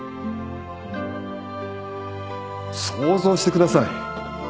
想像してください。